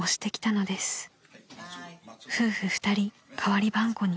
［夫婦２人かわりばんこに］